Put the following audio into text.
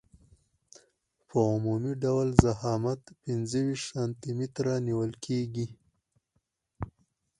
په عمومي ډول ضخامت پنځه ویشت سانتي متره نیول کیږي